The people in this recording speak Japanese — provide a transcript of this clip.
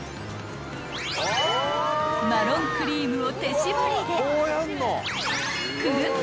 ［マロンクリームを手絞りで］